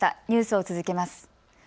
ニュースを続けます。